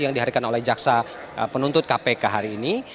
yang dihadirkan oleh jaksa penuntut kpk hari ini